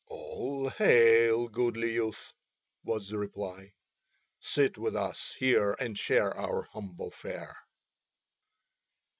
"All hail, goodly youth," was the reply, "sit with us here and share our humble fare."